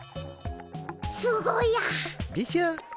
すごいや！でしょ。